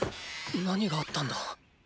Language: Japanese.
何があったんだ？